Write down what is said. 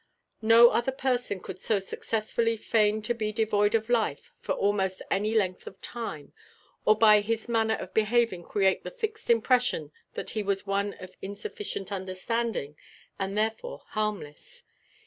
No other person could so successfully feign to be devoid of life for almost any length of time, or by his manner of behaving create the fixed impression that he was one of insufficient understanding, and therefore harmless.